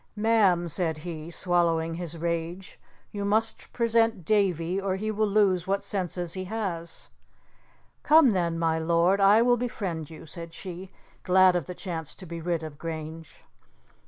"Ma'am," said he, swallowing his rage, "you must present Davie, or he will lose what senses he has." "Come, then, my lord, I will befriend you," said she, glad of the chance to be rid of Grange.